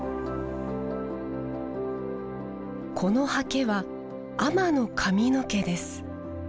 このハケは海女の髪の毛です。